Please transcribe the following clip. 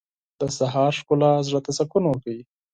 • د سهار ښکلا زړه ته سکون ورکوي.